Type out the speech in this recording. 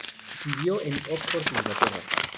Vivió en Oxford, Inglaterra.